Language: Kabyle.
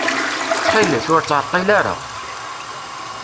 Ttxil-k, ur ttɛeṭṭil ara.